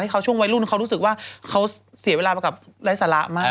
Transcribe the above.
เขาช่วงวัยรุ่นเขารู้สึกว่าเขาเสียเวลามากับไร้สาระมาก